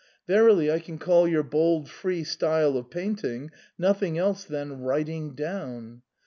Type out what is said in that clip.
Verily I can call your bold free style of painting nothing else than writing down.